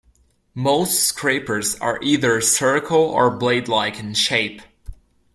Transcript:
Most scrapers are either circle or blade-like in shape.